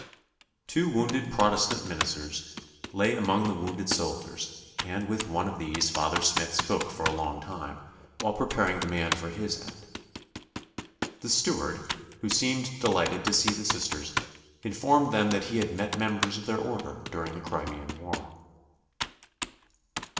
Two wounded Protestant ministers lay among the wounded soldiers, and with one of these Father Smith spoke for a long time while preparing the man for his end. The steward, who seemed delighted to see the Sisters, informed them that he had met members of their order during the Crimean War.